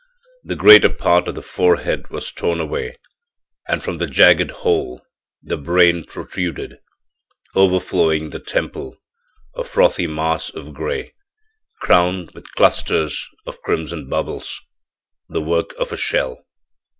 The greater part of the forehead was torn away, and from the jagged hole the brain protruded, overflowing the temple, a frothy mass of gray, crowned with clusters of crimson bubbles the work of a shell.